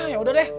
ya udah deh